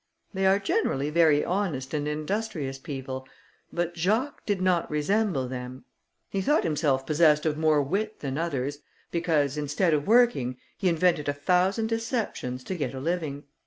They are generally very honest and industrious people, but Jacques did not resemble them. He thought himself possessed of more wit than others, because, instead of working, he invented a thousand deceptions to get a living.